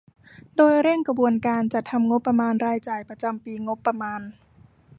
โดยเร่งกระบวนการจัดทำงบประมาณรายจ่ายประจำปีงบประมาณ